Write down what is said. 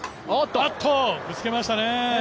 あっと、ぶつけましたね。